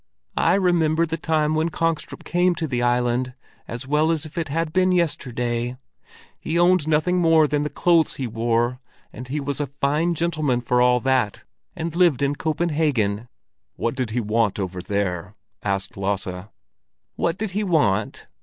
"I remember the time when Kongstrup came to the island as well as if it had been yesterday. He owned nothing more than the clothes he wore, but he was a fine gentleman for all that, and lived in Copenhagen." "What did he want over here?" asked Lasse. "What did he want?